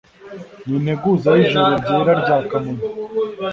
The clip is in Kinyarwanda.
Ni integuza y' ijuru ryera rya kamonyi